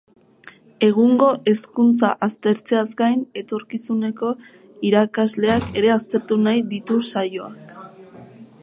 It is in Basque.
Egungo hezkuntza aztertzeaz gain, etorkizuneko irakasleak ere aztertu nahi ditu saioak.